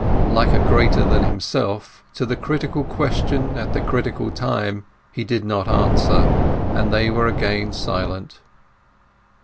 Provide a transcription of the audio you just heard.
Like a greater than himself, to the critical question at the critical time he did not answer; and they were again silent.